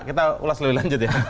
kita ulas lebih lanjut ya